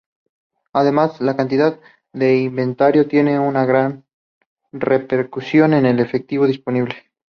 Además, la cantidad de inventario tiene una gran repercusión en el efectivo disponible.